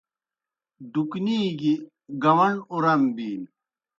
ڈُکنی گیْ گاوݨ اُران بِینیْ۔